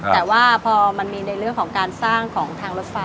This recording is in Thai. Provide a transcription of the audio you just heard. แต่ว่าพอมันมีในเรื่องของการสร้างของทางรถไฟ